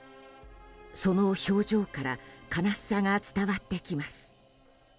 その表情から悲しさが伝わってきます。